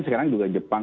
sekarang juga jepang